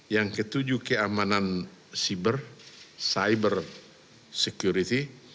yang ketujuh keamanan cyber cyber security